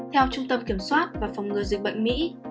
theo trung tâm kiểm soát và phòng ngừa dịch bệnh mỹ